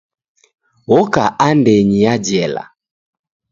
Oka andenyi ya jela.